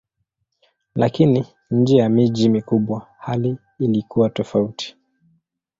Lakini nje ya miji mikubwa hali ilikuwa tofauti.